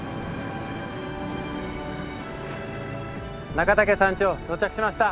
中岳山頂到着しました。